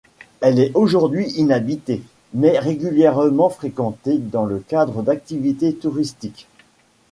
Elle est aujourd'hui inhabitée, mais régulièrement fréquentée dans le cadre d'activités touristiques.